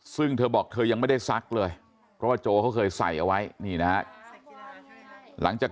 ซึ่งเธอบอกเธอยังไม่ได้ซักเลยเพราะว่าโจเขาเคยใส่เอาไว้นี่นะฮะหลังจาก